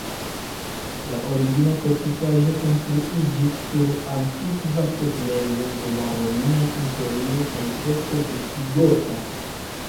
La origina fortikaĵo konstruiĝis sur antikva setlejo de la romia imperio kaj poste visigota.